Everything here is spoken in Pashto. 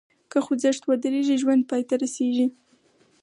که خوځښت ودریږي، ژوند پای ته رسېږي.